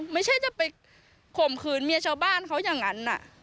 ไม่ใช่จะไปข่มขืนเมียชาวบ้านเขาอย่างนั้น